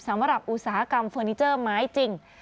อุตสาหกรรมเฟอร์นิเจอร์ไม้จริง